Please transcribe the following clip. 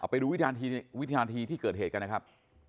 ไปดูวินาทีที่เกิดเหตุกันนะครับ